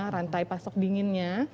rantai pasok dinginnya